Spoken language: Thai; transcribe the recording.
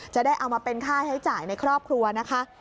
จะได้เอามาเป็นค่าใช้จ่ายในครอบครัวนะคะ